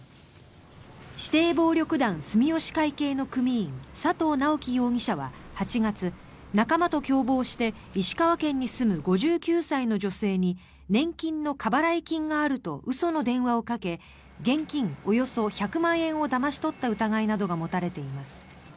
指定暴力団住吉会系の組員佐藤直樹容疑者は８月仲間と共謀して石川県に住む５９歳の女性に年金の過払い金があると嘘の電話をかけ現金およそ１００万円をだまし取った疑いなどが持たれています。